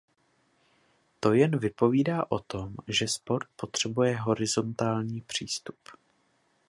To jen vypovídá o tom, že sport potřebuje horizontální přístup.